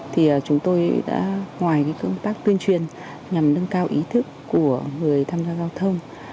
thì chúng tôi đã ngoài công tác tuyên truyền nhằm nâng cao ý thức của người tham gia giao thông